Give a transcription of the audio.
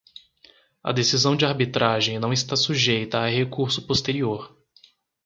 A decisão de arbitragem não está sujeita a recurso posterior.